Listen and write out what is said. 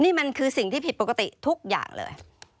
นี่มันคือสิ่งที่ผิดปกติทุกอย่างเลย